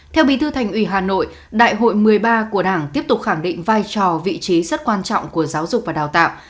theo bí thư thành ủy hà nội đại hội một mươi ba của đảng tiếp tục khẳng định vai trò vị trí rất quan trọng của giáo dục và đào tạo